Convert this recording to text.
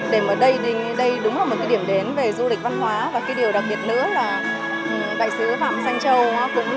đây đúng là một điểm đến về du lịch văn hóa và điều đặc biệt nữa là đại sứ phạm xanh châu